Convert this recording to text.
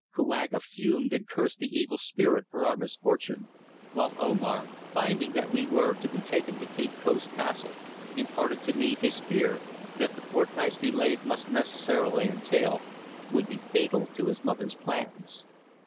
Kouaga fumed and cursed the evil spirit for our misfortune, while Omar, finding that we were to be taken to Cape Coast Castle, imparted to me his fear that the fortnight's delay it must necessarily entail, would be fatal to his mother's plans.